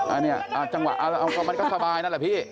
อันนี้จังหวะเอามันก็สบายนั่นแหละพี่